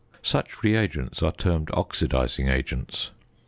Such reagents are termed oxidising agents.